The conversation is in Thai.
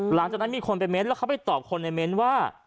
หลังจากนั้นมีคนไปเน้นแล้วเขาไปตอบคนในเม้นว่า